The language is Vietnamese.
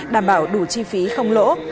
đảm bảo đủ chi phí không lỗ